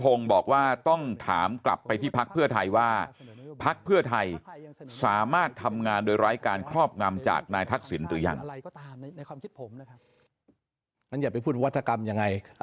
พงศ์บอกว่าต้องถามกลับไปที่พรรคเพื่อไทยว่าพรรคเพื่อไทยสามารถทำงานโดยรายการครอบงำจากนายทักศิลป์ตัวอย่าง